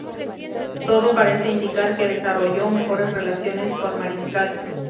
Todo parece indicar que desarrolló mejores relaciones con Mariscal.